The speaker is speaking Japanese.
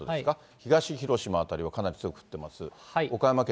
東広島辺りはかなり強く降っています。